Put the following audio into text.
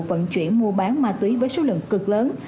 vận chuyển mua bán mà túi với số lượng cực lớn